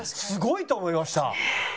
すごいと思いました。